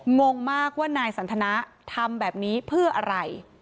งงมากว่านายสันทนาทำแบบนี้เพื่ออะไร